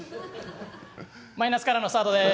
マイナスからのスタートです。